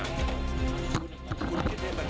ใครตั้งใครก่อนก็ได้ไปเลยครับอาจารย์